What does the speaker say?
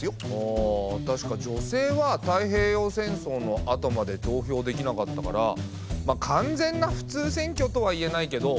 あたしか女性は太平洋戦争のあとまで投票できなかったから完全な普通選挙とは言えないけど。